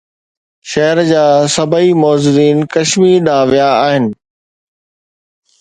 شهر جا سڀئي معززين ڪشمير ڏانهن ويا آهن